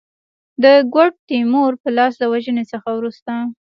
د ګوډ تیمور په لاس د وژني څخه وروسته.